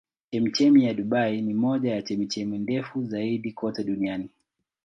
Chemchemi ya Dubai ni moja ya chemchemi ndefu zaidi kote duniani.